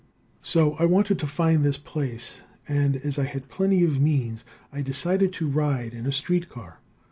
So I wanted to find this place, and as I had plenty of means I decided to ride in a street car.